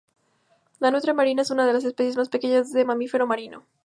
La nutria marina es una de las especies más pequeñas de mamífero marino.